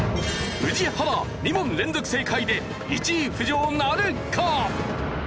宇治原２問連続正解で１位浮上なるか？